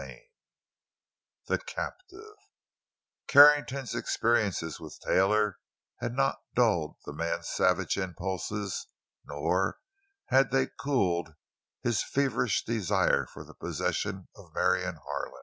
CHAPTER XXIX—THE CAPTIVE Carrington's experiences with Taylor had not dulled the man's savage impulses, nor had they cooled his feverish desire for the possession of Marion Harlan.